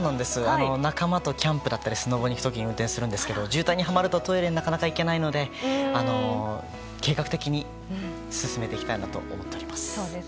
仲間とキャンプだったりスノボに行く時に運転するんですけど渋滞にはまるとトイレになかなか行けないので計画的に進めていきたいなと思います。